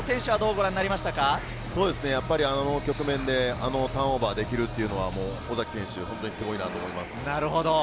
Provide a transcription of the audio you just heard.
あの局面であのターンオーバーができるというのは尾崎選手ってすごいと思います。